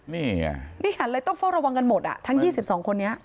นี่ไงนี่หันเลยต้องเฝ้าระวังกันหมดอ่ะทั้ง๒๒คนนี้